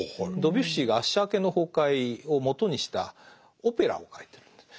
ドビュッシーが「アッシャー家の崩壊」をもとにしたオペラを書いてる。